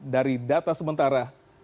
dari data sementara